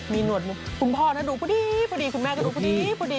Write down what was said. มีหนวดคุณพ่อดูพอดี